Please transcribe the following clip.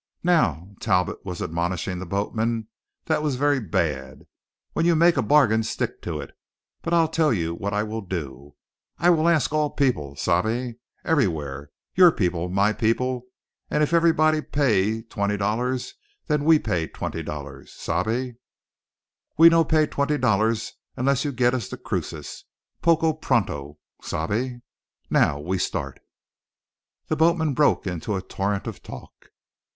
"Now," Talbot was admonishing the boatman, "that was very bad. When you make a bargain, stick to it. But I'll tell you what I will do. I will ask all people, sabe, everywhere, your people, my people, and if everybody pay twenty dollars, then we pay twenty dollars. Sabe? But we no pay twenty dollars unless you get us to Cruces poco pronto, sabe? Now we start." The boatman broke into a torrent of talk.